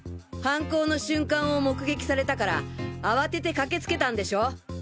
犯行の瞬間を目撃されたから慌てて駆け付けたんでしょ？